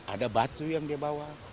ada batu yang dibawa